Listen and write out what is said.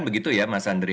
begitu ya mas andre